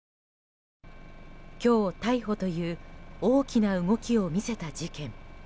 今日、逮捕という大きな動きを見せた事件。